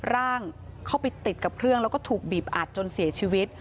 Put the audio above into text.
ร่างเข้าไปติดกับเครื่องแล้วก็ถูกบีบอัดจนเสียชีวิต